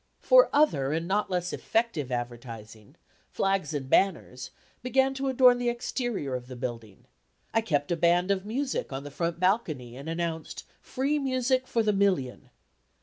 For other and not less effective advertising, flags and banners, began to adorn the exterior of the building. I kept a band of music on the front balcony and announced "Free Music for the Million."